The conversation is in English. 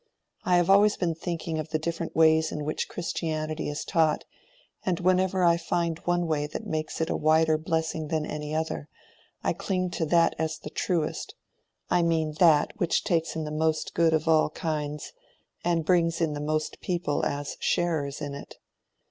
I have always been thinking of the different ways in which Christianity is taught, and whenever I find one way that makes it a wider blessing than any other, I cling to that as the truest—I mean that which takes in the most good of all kinds, and brings in the most people as sharers in it.